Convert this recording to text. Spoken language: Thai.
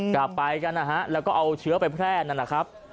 กลับไปกันนะฮะแล้วก็เอาเชื้อไปแพร่นั่นนะครับ